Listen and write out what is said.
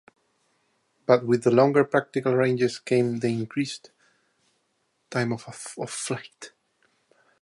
But with the longer practical ranges came the increased time of flight.